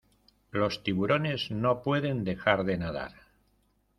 Los tiburones no pueden dejar de nadar.